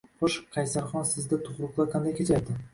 Xo`sh, Qaysarxon sizda tug`ruqlar qanday kechayapti